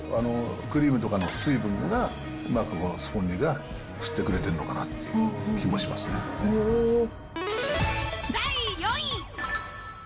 クリームとかの水分がうまくスポンジが吸ってくれてるのかなって第４位。